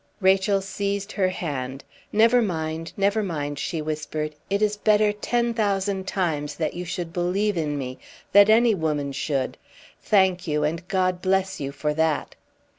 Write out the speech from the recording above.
Rachel seized her hand. "Never mind, never mind," she whispered. "It is better, ten thousand times, that you should believe in me, that any woman should! Thank you, and God bless you, for that!"